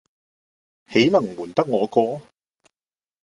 豈能瞞得我過。